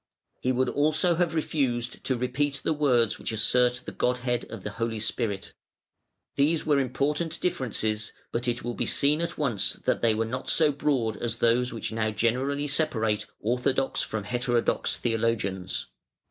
He would also have refused to repeat the words which assert the Godhead of the Holy Spirit. These were important differences, but it will be seen at once that they were not so broad as those which now generally separate "orthodox" from "heterodox" theologians.